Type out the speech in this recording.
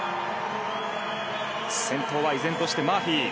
先頭は依然としてマーフィー。